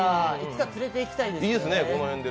いつか連れて行きたいですね。